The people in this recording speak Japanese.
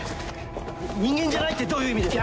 人間じゃないってどういう意味ですか？